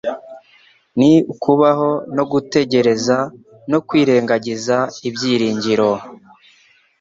ni ukubaho no gutegereza no kwirengagiza ibyiringiro